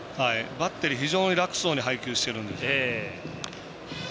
バッテリー、非常に楽そうに配球しているんで。